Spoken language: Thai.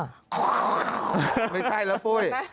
ไม่ใช่แล้วปุ้ย